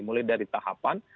mulai dari tahapan